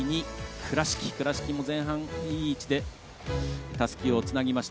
倉敷も前半いい位置でたすきをつなぎました。